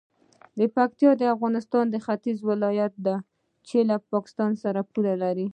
پکتیکا د افغانستان د ختیځ ولایت دی چې له پاکستان سره پوله لري.